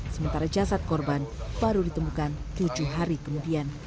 sementara jasad korban baru ditemukan tujuh hari kemudian